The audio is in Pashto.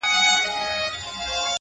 سپوږميه کړنگ وهه راخېژه وايم؛